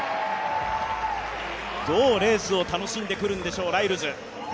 どうレースを楽しんでくるんでしょうライルズ。